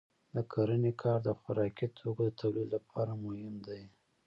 د کرنې کار د خوراکي توکو د تولید لپاره مهم دی.